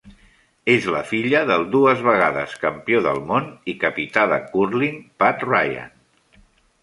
És la filla del dues vegades campió del mon i capità de cúrling Pat Ryan.